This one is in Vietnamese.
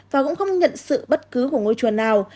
và cũng không nhận sự bất cứ của ngôi chùa nào